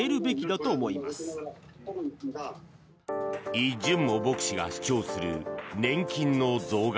イ・ジュンモ牧師が主張する年金の増額。